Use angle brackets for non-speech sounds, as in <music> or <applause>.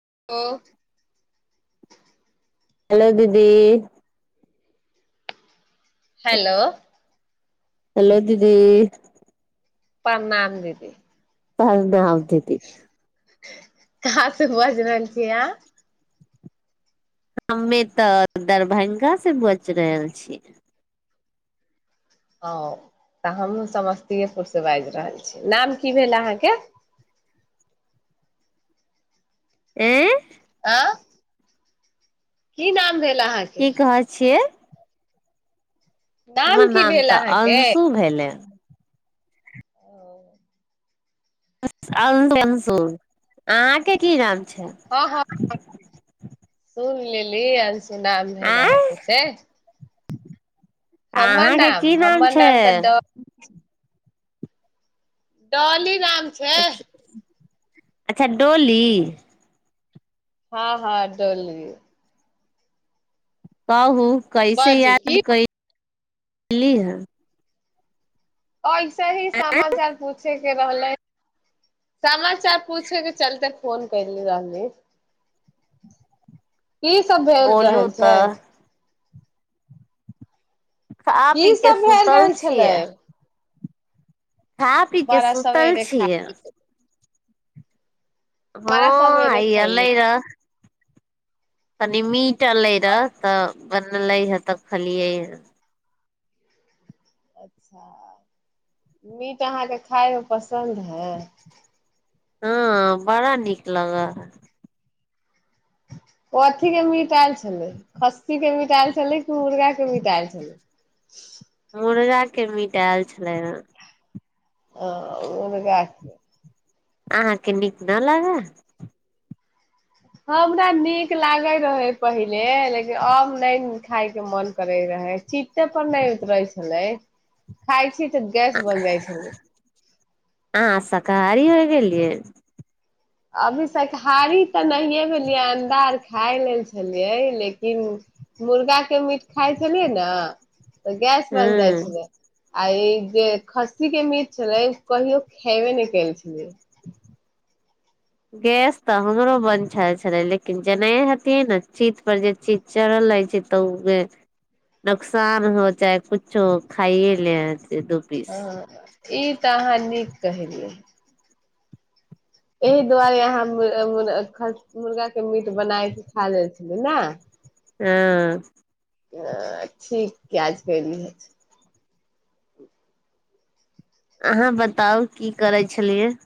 ह हल दीदी हेलो हेलो दीदी पनाम देीदी प नहि आत त कहसँ बज रहलन छी य हमे तऽ दरभंगासँ बचि रहल छीियै ह तऽ हमहूँ समस्तीएपुरसँ बाजि रहल छी नाम की भेल अहाँके आँ आँ की नाम भेल अहाँके की कहै छियै हमर की नाम भेल तऽ अहाँके अंशु भेलनि आहा के कि नाम छै हँ हँ सु <unintelligible> नाम भेल आँय अहाँके से <unintelligible> हमर अहाँके नाम की हमर छै नाम तऽ डॉलि नाम छै अच्छा डोली हँ हँ डोल कहाहू कैसे बाजू की याद कै बी है ऐसे ही समाचार पूछे भल ह सम चार पूछेके चलतै फोन कल रहलालने की सब भेल बोलू रहल छै तऽ खा की पी के सब भेल सुतल रहल छलै छियै खा पी के बड़ा सुतल सवेरे छियै खाय ह बड़ा सवेरे अइ एल खैली ई रह कनी मीट अलै रहए तऽ बनलै हे तऽ खलियै हे अच्छा मीट अहाँके खाायमे पसन्द है हँ बड़ा नीकलग ओ अथी के मिटायल छलै खस्सी के मिटायल छलै कि मुर्गा के मिटायल छलै मुर्गा के मिटा आल छलै हे ह ओरके अहाँके नीक न लागय हमरा नीक लागे रहै पहिले लेकिन आब नहि खाायके मन करैत रहै चिते पर नहि उतरे छलै खााय छी गैस बन जाइ छै तारी होइ गेलियै अभी शाकारी तऽ नहिए भेलियै अण्डा अर खाए लेल छलियै लेकिन मुर्गाके मीट खाइत छलियै ने तऽ गैस ह बन्द जाइ छै ने आइ जे खस्सी के मीच छलै कहियो खेबे नहि केल छलै गैस तऽ हमरो बन्द छल छलै लेकिन जेनाह हथिियै ने चीत पर जे चीज चढ़ल रहै छै तऽ ओ नोकसान हो चाहे किछो खाइए ले दू पीस हँ ई तऽ अहाँ नीक कहेलियै एहि दुआरे अहाँ मुर्गाके मीट बनायके खा जाइ छलै ने आ अ ी क्याज करली ह अहाँ बताउ की करै छलियै